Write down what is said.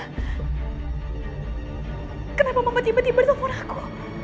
mama kenapa mama tiba tiba telepon aku